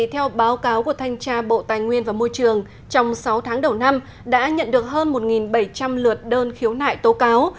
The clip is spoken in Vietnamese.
theo báo cáo của thanh tra bộ tài nguyên và môi trường trong sáu tháng đầu năm đã nhận được hơn một bảy trăm linh lượt đơn khiếu nại tố cáo